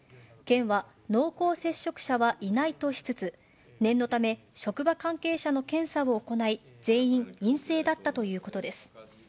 県は、濃厚接触者はいないとしつつ、念のため、職場関係者の検査を行い、全員陰性だったということです。